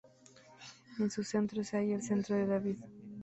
En su centro se halla el cetro de David.